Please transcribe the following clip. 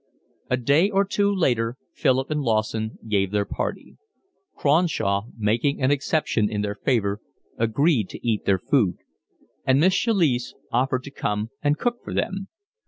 A day or two later Philip and Lawson gave their party. Cronshaw, making an exception in their favour, agreed to eat their food; and Miss Chalice offered to come and cook for them.